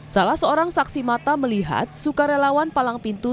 salah seorang saksi mata melihat sukarelawan palang pintu